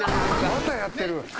またやってる。